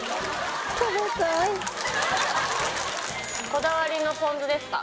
こだわりのポン酢ですか？